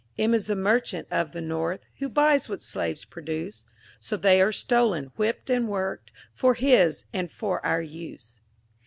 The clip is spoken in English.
M is the Merchant of the north, Who buys what slaves produce— So they are stolen, whipped and worked, For his, and for our use.